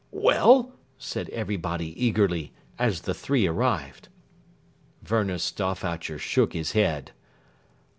"Well?" said everybody eagerly, as the three arrived. Werner Stauffacher shook his head.